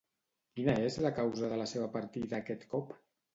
Quina és la causa de la seva partida aquest cop?